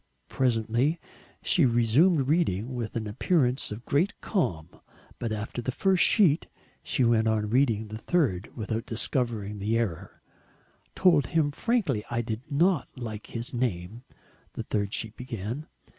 Presently she resumed reading with an appearance of great calm. But after the first sheet she went on reading the third without discovering the error: "told him frankly I did not like his name," the third sheet began.